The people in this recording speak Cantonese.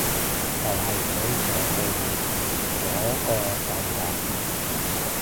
就係想坐對面嗰個尷尬